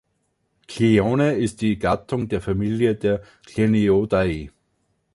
„Clione“ ist die Gattung der Familie der Clionidae.